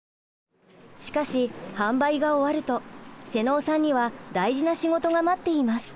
しかし販売が終わるとセノーさんには大事な仕事が待っています。